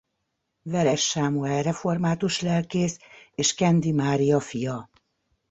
Veres Sámuel református lelkész és Kendi Mária fia.